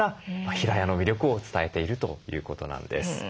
平屋の魅力を伝えているということなんです。